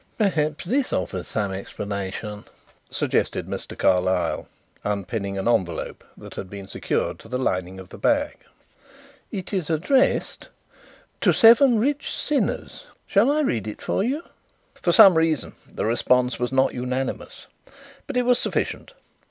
"Perhaps this offers some explanation," suggested Mr. Carlyle, unpinning an envelope that had been secured to the lining of the bag. "It is addressed 'To Seven Rich Sinners.' Shall I read it for you?" For some reason the response was not unanimous, but it was sufficient.